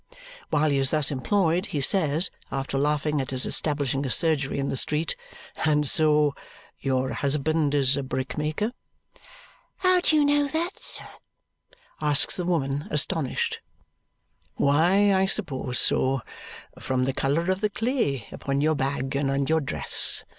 While he is thus employed, he says, after laughing at his establishing a surgery in the street, "And so your husband is a brickmaker?" "How do you know that, sir?" asks the woman, astonished. "Why, I suppose so from the colour of the clay upon your bag and on your dress.